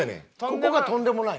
ここがとんでもない？